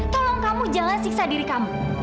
tolong kamu jalan siksa diri kamu